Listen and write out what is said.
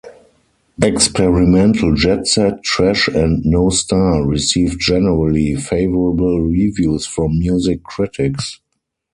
"Experimental Jet Set, Trash and No Star" received generally favorable reviews from music critics.